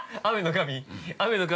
◆雨の神？